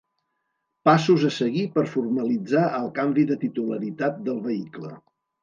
Passos a seguir per formalitzar el canvi de titularitat del vehicle.